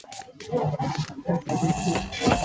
奥尔梅。